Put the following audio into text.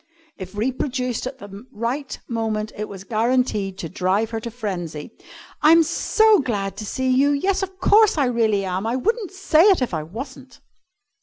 If reproduced at the right moment, it was guaranteed to drive her to frenzy, "I'm so glad to see you. Yes, of course I really am! I wouldn't say it if I wasn't!"